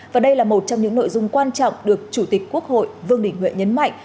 và đây là một trong những nội dung quan trọng được chủ tịch quốc hội vương đình huệ nhấn mạnh